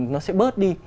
nó sẽ bớt đi